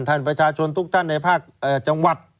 ท่านประชาชนทุกท่านในภาคจังหวัด